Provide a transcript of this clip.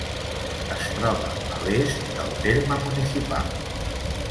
Es troba a l'est del terme municipal.